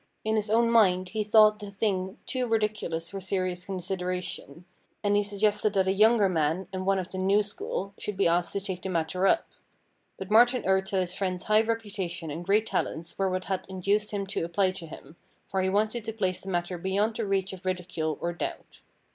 In his own mind he thought the thing too ridiculous for serious consideration, and he suggested that a younger man, and one of the new school, should be asked to take the matter up. But Martin urged that his friend's high reputation and great talents were what had induced him to apply to him, for he wanted to place the matter beyond the reach of ridicule or doubt.